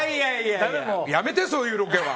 やめて、そういうロケは。